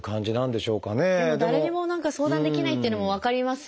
でも誰にも何か相談できないっていうのも分かりますよね。